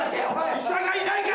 医者がいないか！